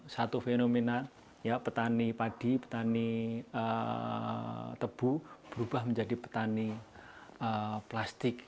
satu fenomena petani padi petani tebu berubah menjadi petani plastik